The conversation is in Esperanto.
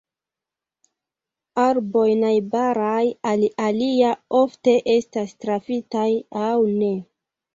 Arboj najbaraj al alia ofte estas trafitaj aŭ ne.